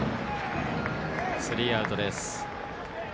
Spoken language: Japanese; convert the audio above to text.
スリーアウトです。